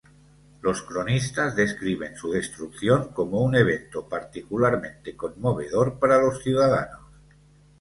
Los cronistas describen su destrucción como un evento particularmente conmovedor para los ciudadanos.